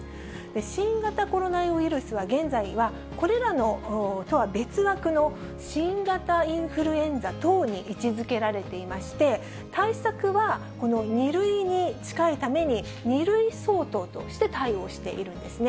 新型コロナウイルスは現在は、これらとは別枠の、新型インフルエンザ等に位置づけられていまして、対策はこの２類に近いために、２類相当として対応しているんですね。